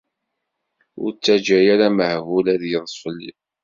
Ur ttaǧǧa ara amehbul ad yeḍs fell-i.